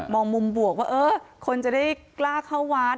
องมุมบวกว่าเออคนจะได้กล้าเข้าวัด